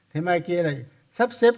thế mai kia lại sắp xếp